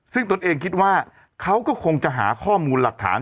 ซึ่งตนเองคิดว่าเขาก็คงจะหาข้อมูลหลักฐาน